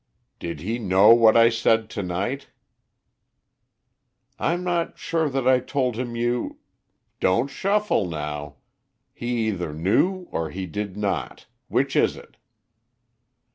"Did he know what I said to night?" "I'm not sure that I told him you " "Don't shuffle now. He either knew or he did not. Which is it?"